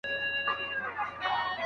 آیا خپل کور تر پردي کوره ارام دی؟